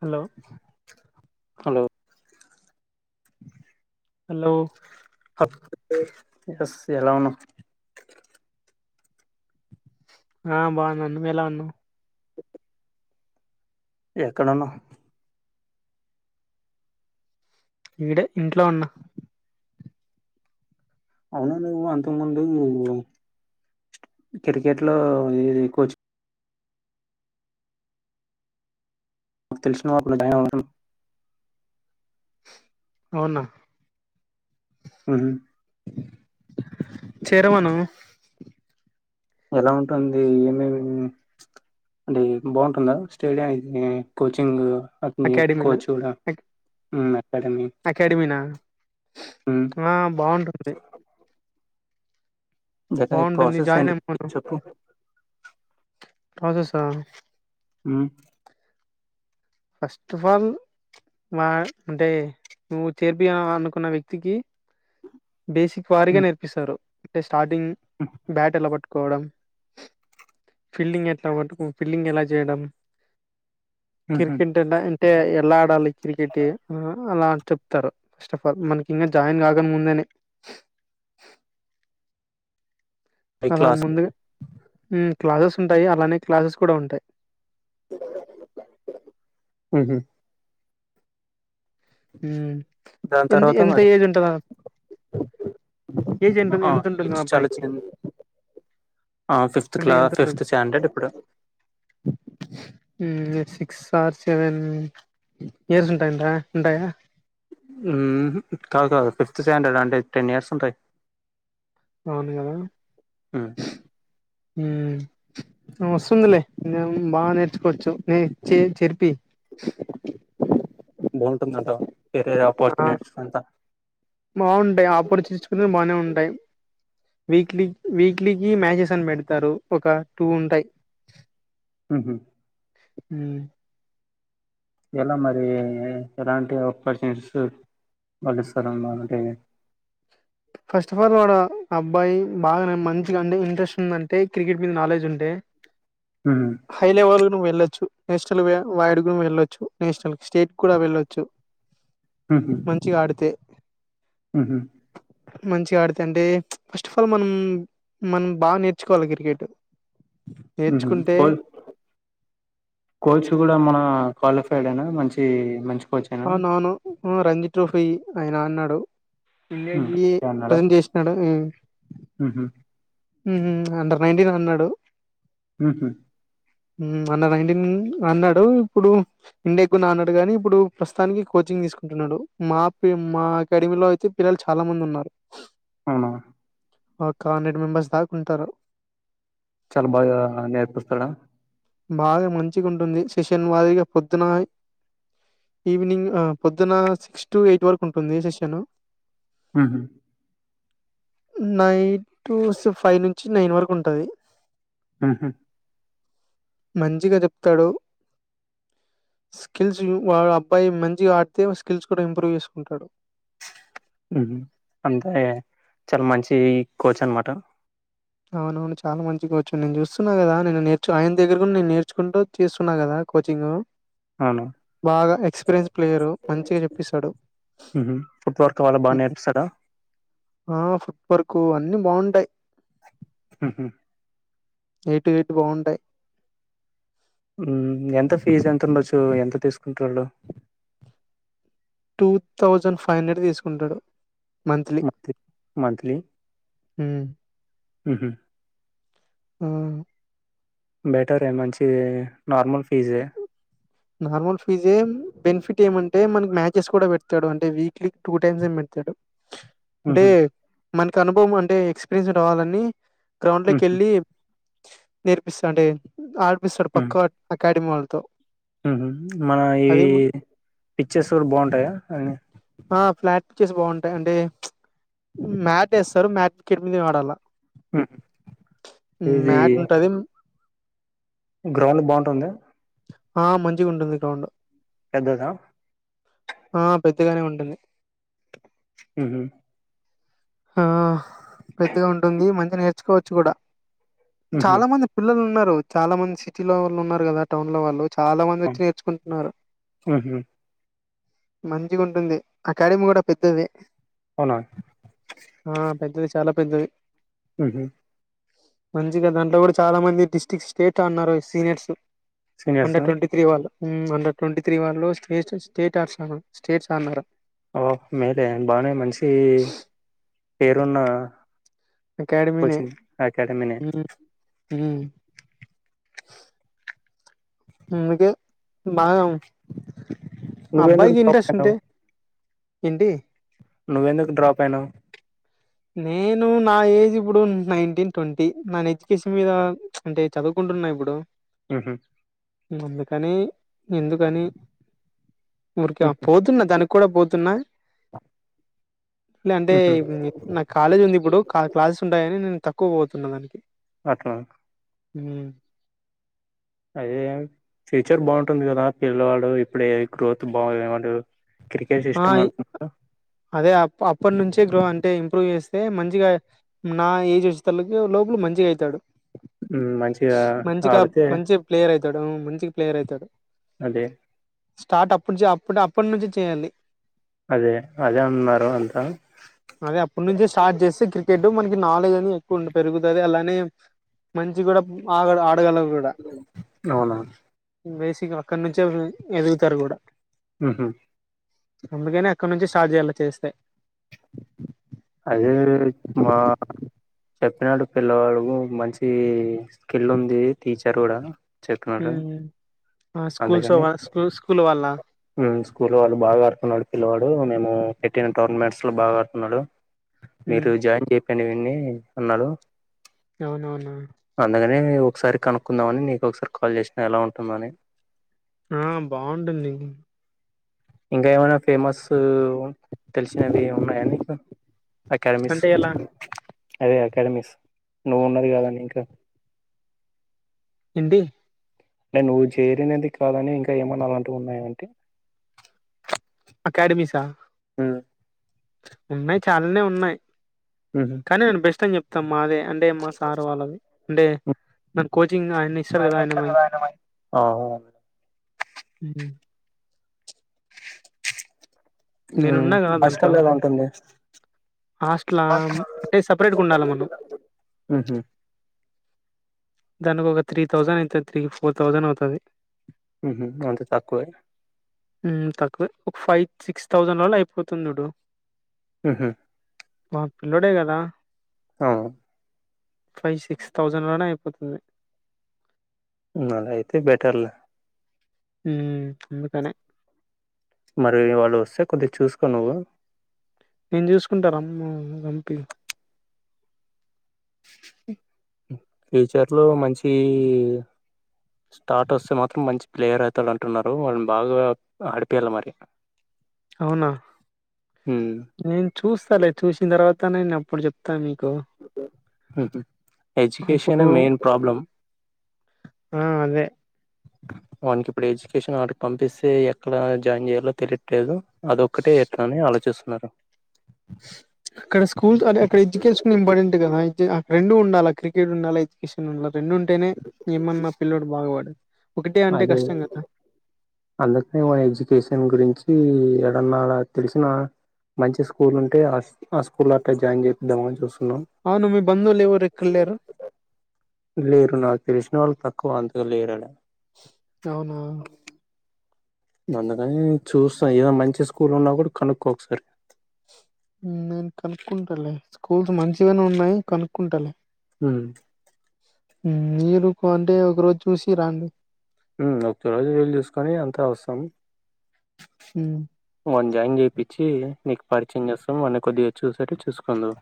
Hello hello hello yes ఎలా ఉన్నావు ఆ బాగున్నాను ఎలా ఉన్నావు ఎక్కడన్నావు ఇడే ఇంట్లో ఉన్న అవును నువ్వు అంతకు ముందు క్రికెట్ లో ఇది కోచ్ తెలిసినవాళ్ళు జాయిన్ అవమని అవునా ఉహు చేరమను ఎలా ఉంటుంది ఏమేమి అంటే బాగుంటుందా స్టేడియంకి కోచింగ్ అటనే అకాడమీనా కోచ్ గూడ అక్- మ్ అకాడమీనా మ్మ్ ఆ బాగుంటుంది దన్ బాగుంటుంది ప్రాసెస్ జాయిన్ ఏంటి చెప్పు ప్రాసెస్ ఆ మ్ ఫస్ట్ ఫల్ వా అంటే నువ్వు చేర్పియాలనుకున్న వ్యక్తికి బేసిక్ వారీగా మ్మ్ నేర్పిస్తారు అంటే స్టార్టింగ్ బ్యాట్ ఎలా పట్టు కోవడం ఫీల్డింగ్ ఎట్లా పట్టుకు ఫీల్డింగ్ ఎలా చేయడం మ్మ్ కిర్ హ్మ్ కెట్ ఎలా అంటే ఎలా ఆడాలి క్రికెట్ అలా చెప్తారు ఫస్ట్ ఆఫ్ ఆల్ మనకి ఇంకా జాయిన్ కాగా ముందే ఈ అలా క్లాస్ ముందుగా మ్ క్లాసెస్ ఉంటాయి అలానే క్లాసెస్ కూడ ఉంటాయి ఉహు మ్ దాని ఎంది తర్వాత ఎంత మరి ఏజ్ ఉంటఅదా ఏజ్ ఏంటుంత్ ఆ ఎంత ఉంటుఉందొ ఏజ్ చాలా అబ్బాయికి చిన్న ఆ ఫిఫ్త్ అంటే క్లాస్ ఎంతుంటుంది? ఫిఫ్త్ స్టాండర్డ్ ఇప్పుడు మ్ సిక్స్ ఆర్ సెవెన్ ఇయర్స్ ఉంటాయి అంటరా ఉంటాయా మ్ హ్ కాదు కాదు ఫిఫ్త్ స్టాండర్డ్ అంటే టెన్ ఇయర్స్ ఉంటాయి అవును గదా మ్మ్ మ్ వస్తుఉందిలే బాగా నేర్చుకొవచ్చు నే చే చెర్ పి బావుంటుఉంది అంటవా ఆ బావుంటాఅయి ఆఫ్పర్ చిర్చుకున్నై బానే ఉంటాయి వీక్లీ వీక్లీకి మ్యాచెస్ అని పెడ్ తారు ఒక టూ ఉంటాయి ఉహు మ్ ఎలా మరి ఏ ఎలాంటి ఆఫర్స్ చిట్స్ వాళ్ళు ఇస్తారా మనకే ఫస్ట్ ఫర్ల్ గోడ అబ్బాయి బాగానే మంచిగా అండి ఇంట్రెస్ట్ ఉంద అంటే క్రికెట్ మీద నాలెడ్జ్ ఉంటే ఉహు హైలే వల్ వెళ్ళొచ్చు నేషనల్ వైడ్ గు వెళ్ళొ వోచ్చు నేషనల్ స్టేట్ కూడ వెళ్ళొ వొచ్చు మంచిగ ఆడితే మ్ హు మంచిగా ఆడితే అంటే ఫస్ట్ ఆఫ్ ల్ మనం మనం బాగా నేర్చుకోవాలి క్రికెట్ నేర్చుకుంటే కోల్ కోచ్ గూడా మనా క్వాలిఫై డేనా అయినా మంచి మంచ్ ఆ నాను రంజి ట్రోఫీ ఆయన అన్నా ఆడు లే ఈ అన్నాడా ప్రెజెంట్ చేసినాడ మ్ ఉహు ఉహు అండర్ నైన్టీన్ అని అన్నాడు ఉహు అన్నా నైన్టీన్ అన్నడు ఇప్పుడు ఇండియా కున్నా అన్నాడు కాని ఇప్పుడు ప్రస్తుతానికి కోద్ద్ కోచింగ్ తీసుకుంటు ఉన్నాడు మా పి మా అకాడమీలో అయితే పిల్లలు చాలా మంది ఉన్నారు అవునా ఒక హండ్రెడ్ మెంబర్స్ దాక ఉంటారు చాలా బాగా నేర్పిస్తాఆడా బాగా మంచిగా ఉంటు ఉంది సిషన్ వారిగా పొద్దున ఈవినింగ్ అపొద్దున సిక్స్ టూ ఎయిట్ వరకు ఉంటుఉంది సిస్టేను ఉహు నైట్ టు ఫైవ్ నుంచి నైన్ వరకు ఉంటఅది ఆహా మంచిగా చెప్తాఆడు స్కిల్స్ వాడు అబ్బాయి మంచిగా ఆడితే స్కిల్స్ కూడా ఇంప్రూవ్ చేసుకుఉంటాడు అంతే చాలా మంచి కోచ్ అన్ మాట అవును అవును చాలా మంచి కొచ్చు నేన్ చూస్తు ఉన్నా కదా నేను నేర్చు ఆయన దగ్గర కూడ నేన్ నేర్చుకుంటూ చేస్తున్నా కదా కోచింగు అవును బాగా ఎక్స్పీరియన్స్ ప్లేయరు మంచిగా చెప్పిస్తాడు నెట్ వర్క్ వాళ్ళక్ బాగా నేర్పిస్తాడా ఆ ఫుట్ వర్కు అన్ని బాగుంటాయి హ ఏటు ఏట్ బావుంటాయ్ మ్మ్ ఎంత ఫీజ్ ఎంతుండచ్చు ఎంత తీసుకుంటరోళ్ళు టూ థౌజండ్ ఫైవ్ హండ్రెడ్ తీసుకుంటాడు మంత్లీ. మంత్లీ హ్మ్. ఊహు మ్మ్ బెటరే మంచిది నార్మల్ ఫీజే నార్మల్ ఫీజే బెనిఫిట్ ఏమంటే మనకి మ్యాచెస్ కూడా పెడతాడు అంటే వీక్లీ టూ టైమ్స్ ఏం పెడతాడు అంటే హుహు. మనకి అనుభవం అంటే ఎక్స్పీరియన్స్ రావాలని గ్రౌండ్ హుహు. లోకెళ్ళి నేర్పిస్తా అంటే ఆడిపిస్తాడు పక్క అకాడమీ వాళ్ళు తో మా ఈ పిచర్స్ గూడ బాగుంటాయా అని బాగుంటాయి అంటే మ్యాతేస్తారు మ్యాట్ కిర్ మిద వాడాల హ్మ్. ఇది మ్యాట్ ఉంటదిం గ్రౌండ్ బావుంటుందా ఆ మంచి గుంటుంది గ్రౌండ్ పెద్దోస ఆ పెద్దగానే ఉంటుంది ఊహు ఆ పెద్దగా ఉంటుంది మంచిగా నేర్చుకోవచ్చు గూడా హుహు. చాలా మంది పిల్లలున్నరు చాలా మంది సిటీ లో వాళ్ళున్నరు గదా టౌన్ లో వాళ్ళు చాలా మంది ఆ! వచ్చి నేర్చుకుంట్నారు హుహు. మంచిగుంటుంది అకాడమీ గూడ పెద్దదే వునా ఆ పెద్దది చాలా పెద్దది ఊహు మంచిగా దాంట్లో గూడా చాలా మంది డిస్టిక్ట్ స్టేట్ ఆన్నారో seniors seniors under twenty three వాళ్ళు అండర్ ట్వంటీ త్రీ వాళ్ళు స్టేట్ స్టేట్ ఆర్సన స్టేట్స్ ఆన్నారు ఓ మేలే బానే మనిషి పేరున్న అకాడమినే కోచింగ్ అకాడమీనే. మ్మ్ అందుకే బాగం నువ్వెందుకు అబ్బాయికి డ్రాప్ ఇంట్రెస్ట్ ఉంటే అయినావు? ఏంటి నువ్వెందుకు డ్రాప్ అయినావ్ నేను నా ఏజ్ ఇబుడు నైన్టీన్ ట్వంటీ నాన్ ఎడ్యుకేషన్ మీద అంటే చదువుకున్ ఇబుడు ఊహు అందుకని ఎందుకని ఊరికే ఆ హ్మ్. పోతున్న దాని కూడా పోతున్నా గంటే హుహు. నాక్ కాలేజ్ ఉందిప్పుడు క్లాసెస్ ఉంటాయని నేను తక్కువ పోతున్న దానికి ఓకే హ్మ్ ఫ్యూచర్ బాగుంటుంది గదా పిల్లవాడు ఇప్పుడే గ్రోత్ క్రికెట్ ఆ ఇష్టం ఇ అంటున్నారు అదే అప్ అప్ప నుంచే గ్రో టే ఇంప్రూవ్ చేస్తే మంచిగా నా ఏజ్ ఒచ్చేతల్లకూ లోపల మంచిగ అయితాడు ఉమ్, మంచిగా మంచిగా ఆడితే మంచి ప్లేయర్ అయితాడు ఆ మంచి ప్లేయర్ అయితాడు అదే స్టార్ట్ అప్పుడు చే అప్పుడు అప్పడ్ నుంచి చెయ్యాలి అదే అదే అన్నారు అంత అదే అప్పు నుంచే స్టార్ట్ జేస్తే క్రికెట్ మనకి నాలెడ్జ్ అని ఎక్కువుండ పెరుగుతది అలానే మంచి గుడా ఆగడు ఆ అవునా బేసిక్ అక్కడ్నుంచే ఎదుగుతారు గూడా ఉహు అందుకనే అక్కడ్నుంచి స్టార్ట్ జెయాలె చేస్తే అదే మా చెప్పినాడు పిల్లవాడు మంచి స్కిల్ ఉంది టీచర్ గుడా ఊ ఆ స్కూల్స్ వా స్కూల్స్ స్కూల్లోవా ఉమ్ స్కూల్లో వాళ్ళు బాగా ఆరుకున్నాడు పిల్లవాడూ మేమూ పెట్టిన టోర్నమెంట్స్ లో బాగా ఆడుతున్నాడు ఉమ్, మీరు జాయిన్ జే పిండి వీన్నీ అన్నాలు అవునవునా నీ ఒకసారి కనుక్కుందామని నీకు ఒకసార్ కాల్ చేసినా ఎలా ఉంటుందో అని ఆ బాగుంటుంది ఇంకా ఏమైనా ఫేమస్సు తెలిసినవి ఉన్నాయా నీకు అకాడమిస్ అంటే ఎలా అదే అకాడమిస్ నువ్వు ఉన్నది గదా అండి ఇంక ఇండి నే నువ్వు చేరినది కాలని ఇంకా ఏమన్నా అలాంటివి ఉన్నాయా అంటి అకాడమీసా ఉ ఉన్నాయ్ చాలానే ఉన్నాయ్ కానీ నేను బెస్ట్ అని జెప్తాం మాదే అంటే మా సారు వాళ్ళది అంటే నన్ కో చింగ్ ఆయన ఇస్సరు గదా ఆయన మంచి ఊ ఊ కదా దాంట్లో ఒస్తలేదంటుంది హాస్టల్ అంటే సపరేట్గా ఉండాలి మనం ఉహు దాని ఒక త్రీ థౌజన్ అయితది త్రీ ఫోర్ థౌసన్ అవుతది ఉహు అంత తక్కువే ఊ తక్కువే ఒక ఫై సిక్స్ థౌజండ్ లల్ల అయిపోతుందుడు ఉహు మా పిల్ల్లోడే గదా ఆ ఫై సిక్స్ థౌజన్ లోనే అయిపోతుంది ఊ అలా అయితే బెటర్ లే హూ అందుకనేే మరీ వాళ్ళు వస్తే కొద్దిగ చూసుకో నువ్వు నేన్ జూసుకుంటా రమ్ము వంపి ఫ్యూచర్ లో మంచీ స్టార్ట్ వస్తే మాత్రం మంచి ప్లేయర్ అవుతాడు అంటున్నారు వాళ్ళని బాగా ఆడిపయాలి మరి అవునా ఉమ్ నేను చూస్తా లే చూసిన తర్వాత నేను అప్పుడు చెప్తాను ఎజ్యుకేషన్ అప్పుడు ఏ మెయిన్ ప్రాబ్లం ఆ అదే వాడికి ఇప్పుడు ఎడ్యుకేషన్ వాటికి పంపిస్తే ఎక్కడ జాయిన్ చేయాలో తెలియట్లేదు అదిక్కటే ఎట్నని ఆ లోచేస్తున్నారు అక్కడ స్కూల్ అక్క అక్క ఎడ్యుకషన్ ఇంపార్ంట్ కా అక్కడెడు ఉండాల క్రికెట్ ఉండాలా ఎడ్యుకేన్ ఉండా రెండుంటేనే ఏమన్నా ఆ పిల్లడు బాగా పడదు ఒకటే అంటే అదే కష్టం కదా అందుకనే వాని ఎడ్యుకేషన్ గురించి ఎడన్నా ఆడ తెలిసిన మంచి స్కూల్ ఉంటే ఆ స్కూల్ అట్లా జాయిన్ చేపిద్దాం ని చూసు హలో అవును మీ బంధువులెవరు ఎక్కడ లేరు? లేరు నా తష్ వాళ్ళు తక్కువ అంతుగా లేరడ అవునా అందుకని చూస్తాను ఏదో మంచి స్కూల్ ఉన్నా కూడా కనుక్కో ఒకసారి ఊ నేను కనుక్కుంటాల స్కూల్స్ మంచిగానే ఉన్నాయి కనుక్కుంటాలే ఊ నీరుకు అంటే ఒక రోజు చూసి రండి ఊ ఒక రోజు వీళు చూసుకని అంతా వసాం ఉ వాన్ జాయిన్ చేయించి నీకు పరిచయం చేస్తా మన్న కొద్దిగా చూసేట్టు చూసుకుందువు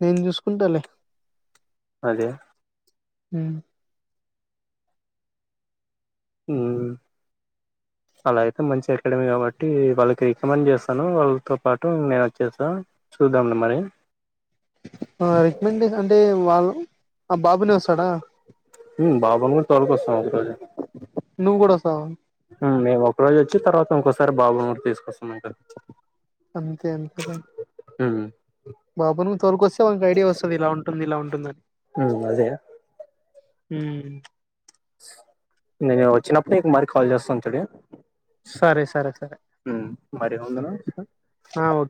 నేను చూసుకుంటాలే అదే ఊ ఊ అలా అయితే మంచి అకాడమీ కాబట్టి వాళ్ళకి రికమెండ్ చేస్తాను వాళ్ళతో పాటు నేను వచ్చేసాను చూద్దాండి మరి ఆ రికమెండేషన్ అంటే వాళ్ళు ఆ బాబునే వస్తాడా ఉ బాబును కూడా తోల్ కస్తాను అందుకని నువ్వు కూడా వస్తావ ఊ మేము ఒక రోజు వచ్చి తర్వాత ఇంకోసారి బాబును కూడా తీసుకొస్ అంతె అంతర హ్మ్. బాబును నువ్ తోలుకొస్తే వానికి ఐడియా వస్తుంది ఇలా ఉంటుంది ఇలా ఉంటుందని హ్మ్. అదే ఊ నేను వచ్చినప్పుడుకు నీకు మరి కాల్ చేస్తాను తుడే సరే సరే సరే ఊ మరి ఉందునా ఆ ఓకే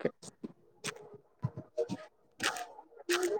చులే